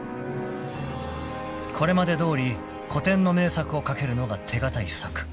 ［これまでどおり古典の名作をかけるのが手堅い策］